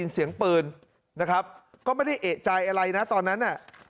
เสียงปืนนะครับก็ไม่ได้เอกใจอะไรนะตอนนั้นน่ะ